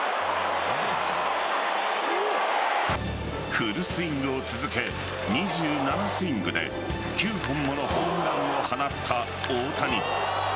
フルスイングを続け２７スイングで９本ものホームランを放った大谷。